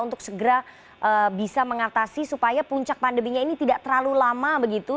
untuk segera bisa mengatasi supaya puncak pandeminya ini tidak terlalu lama begitu